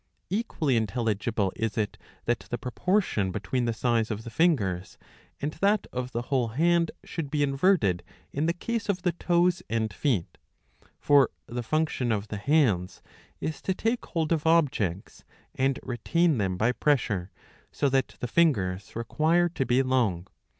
Equally intelligible is it that the proportion between the size of the fingers and that' of the whole hand should be inverted in the case of the toes and feet. ' For the function of the hands is to take hold of objects and retain them by pressure ; so that the fingers require to be long.